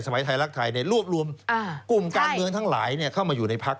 สมัยไทยรักไทยเนี่ยรวบรวมกลุ่มการเมืองทั้งหลายเนี่ยเข้ามาอยู่ในพัก